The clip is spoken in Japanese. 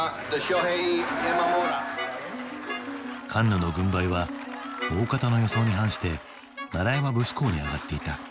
カンヌの軍配は大方の予想に反して「山節考」に上がっていた。